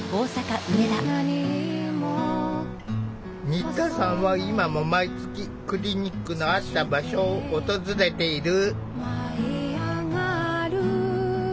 新田さんは今も毎月クリニックのあった場所を訪れている。